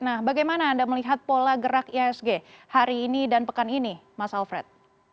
nah bagaimana anda melihat pola gerak ihsg hari ini dan pekan ini mas alfred